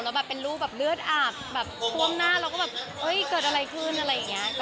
แล้วแบบเป็นรูปแบบเลือดอาบแบบท่วมหน้าเราก็แบบเฮ้ยเกิดอะไรขึ้นอะไรอย่างนี้